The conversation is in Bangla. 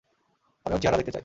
আমি ওর চেহারা দেখতে চাই।